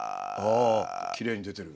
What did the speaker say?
きれいに出てる。